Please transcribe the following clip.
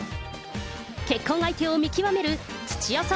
結婚相手を見極める土屋さん